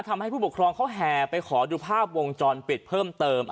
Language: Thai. ผู้ปกครองเขาแห่ไปขอดูภาพวงจรปิดเพิ่มเติม